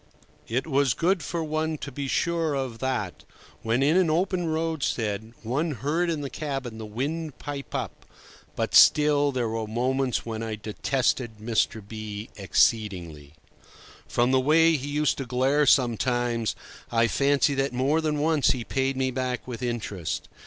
It was good for one to be sure of that when, in an open roadstead, one heard in the cabin the wind pipe up; but still, there were moments when I detested Mr. B— exceedingly. From the way he used to glare sometimes, I fancy that more than once he paid me back with interest.